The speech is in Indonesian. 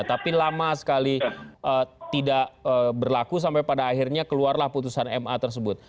tapi lama sekali tidak berlaku sampai pada akhirnya keluarlah putusan ma tersebut